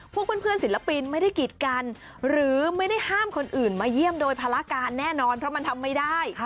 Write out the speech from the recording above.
พวกเพื่อนศิลปินไม่ได้กีดกันหรือไม่ได้ห้ามคนอื่นมาเยี่ยมโดยภารการแน่นอนเพราะมันทำไม่ได้